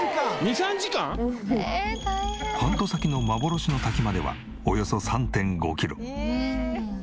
ハント先の幻の滝まではおよそ３．５キロ。